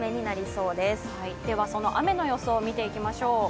その雨の予想、見ていきましょう。